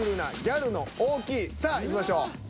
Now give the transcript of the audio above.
さあいきましょう。